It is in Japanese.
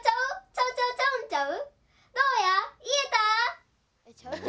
ちゃうちゃうちゃうちゃう。